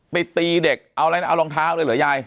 ไปตีเด็กเอาอะไรนะเอารองเท้าเลยเหรอยาย